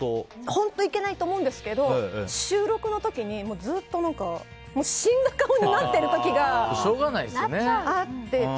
本当にいけないと思うんですが収録の時にずっと死んだ顔になってる時があって。